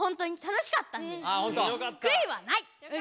くいはない！